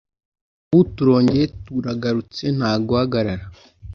ariko ubu turongeye turagarutse nta guhagarara